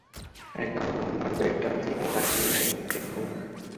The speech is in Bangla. এগার নম্বর বেডটার দিকে তাকিয়ে দেখুন।